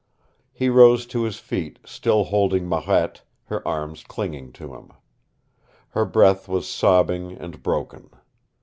He rose to his feet, still holding Marette, her arms clinging to him. Her breath was sobbing and broken.